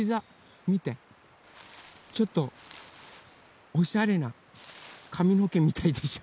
ちょっとおしゃれなかみのけみたいでしょ。